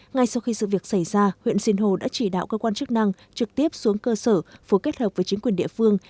ngay sau khi sự việc xảy ra huyện sinh hồ đã chỉ đạo cơ quan chức năng trực tiếp xuống cơ sở phối kết hợp với chính quyền địa phương